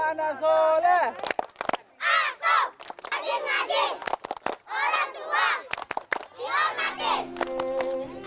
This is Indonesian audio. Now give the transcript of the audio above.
aku haji haji orang tua dihormati